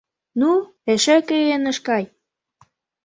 — Ну, эше кӧ ынеж кай.